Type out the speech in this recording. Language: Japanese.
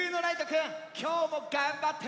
きょうもがんばってね！